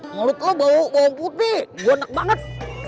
mulut lo bau bawang putih gua enak banget